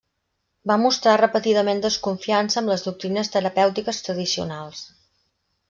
Va mostrar repetidament desconfiança amb les doctrines terapèutiques tradicionals.